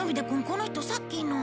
この人さっきの。